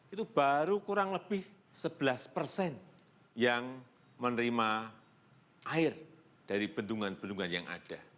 itu baru kurang lebih sebelas persen yang menerima air dari bendungan bendungan yang ada